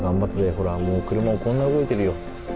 ほらもう車もこんな動いてるよ。